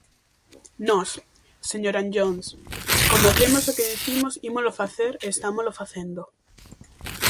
Nós, señor Anllóns, como cremos o que dicimos ímolo facer e estámolo facendo.